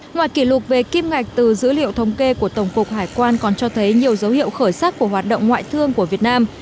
ngoài kỷ lục về kim ngạch từ dữ liệu thống kê của tổng cục hải quan còn cho thấy nhiều dấu hiệu khởi sắc của hoạt động ngoại thương của việt nam